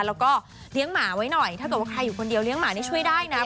แล้วก็เลี้ยงหมาไว้หน่อยถ้าเกิดว่าใครอยู่คนเดียวเลี้ยหมานี่ช่วยได้นะ